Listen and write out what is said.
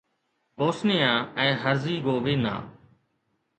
Bosnia ۽ Herzegovina